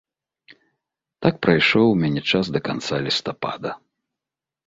Так прайшоў у мяне час да канца лістапада.